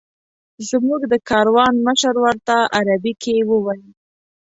زموږ د کاروان مشر ورته عربي کې وویل.